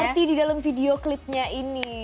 iya arti di dalam video clipnya ini